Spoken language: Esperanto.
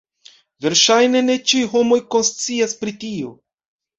Verŝajne ne ĉiuj homoj konscias pri tio.